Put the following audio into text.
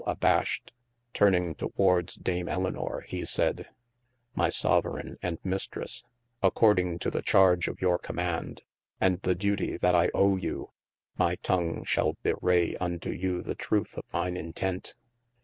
abashed, turning towards ' dame Elinor he sayde : My sovereigne and Mistresse, according to the charge of your command, and the dutie that I owe you, my tongue shall bewraye unto you the truthe of mine intent.